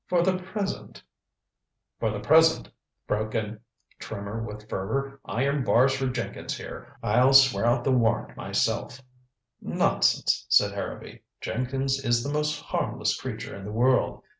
For the present " "For the present," broke in Trimmer with fervor, "iron bars for Jenkins here. I'll swear out the warrant myself " "Nonsense," said Harrowby, "Jenkins is the most harmless creature in the world.